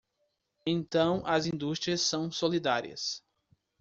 Então as indústrias são solidárias.